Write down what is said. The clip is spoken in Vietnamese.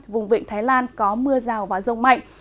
vùng vịnh thái lan có mưa rào và rông mạnh